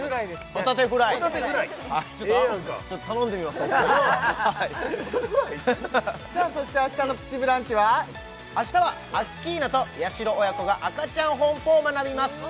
ホタテフライ？さあそして明日の「プチブランチ」は明日はアッキーナとやしろ親子がアカチャンホンポを学びます